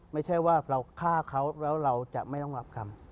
ไม่ใช่ว่าเราฆ่าเขาแล้วเราจะไม่ต้องรับกรรม